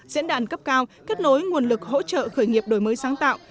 diễn đàn cấp cao kết nối nguồn lực hỗ trợ khởi nghiệp đổi mới sáng tạo